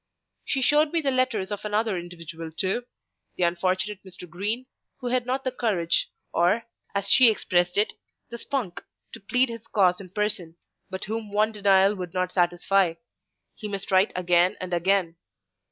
She showed me the letters of another individual, too, the unfortunate Mr. Green, who had not the courage, or, as she expressed it, the "spunk," to plead his cause in person, but whom one denial would not satisfy: he must write again and again.